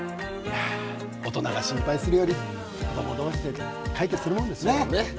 大人が心配するより子ども同士で解決するものですね。